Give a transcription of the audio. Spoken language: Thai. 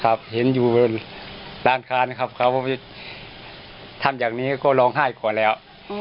ครับเห็นอยู่ด้านคลานครับเขาทำอย่างนี้ก็ร้องไห้ก่อนแล้ว